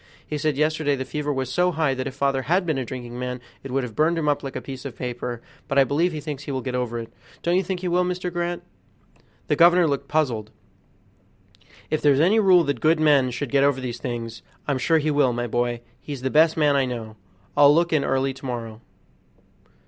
He said yesterday the fever was so high that if father had been a drinking man it would have burned him up like a piece of paper; but I believe he thinks he will get over it; don't you think he will, Mr. Grant?" The governor looked puzzled. "If there's any rule that good men should get over these things, I'm sure he will, my boy; he's the best man I know. I'll look in early to morrow."